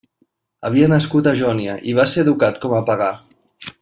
Havia nascut a Jònia i va ser educat com a pagà.